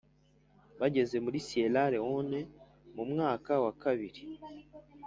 Bageze muri siyera lewone mu mwaka wa kabiri